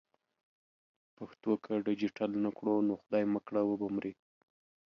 پښتو که ډیجیټل نه کړو نو خدای مه کړه و به مري.